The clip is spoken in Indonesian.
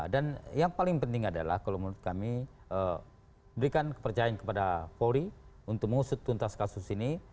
dan yang paling penting adalah kalau menurut kami berikan kepercayaan kepada polri untuk mengusut tuntas kasus ini